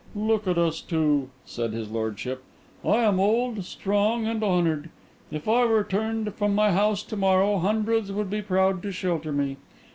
"Look at us two," said his lordship. "I am old, strong, and honoured. If I were turned from my house to morrow, hundreds would be proud to shelter me.